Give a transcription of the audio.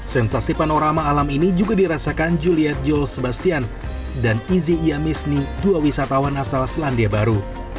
sensasi panorama alam ini juga dirasakan juliet jules sebastian dan izzy iamisni dua wisatawan asal selandia baru